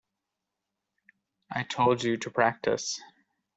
I told you to practice.